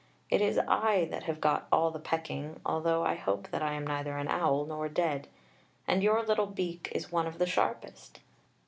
It is I that have got all the pecking, altho' I hope that I am neither an owl, nor dead; and your little beak is one of the sharpest.